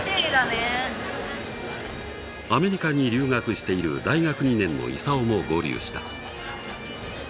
アメリカに留学している大学２年の功雄も合流した。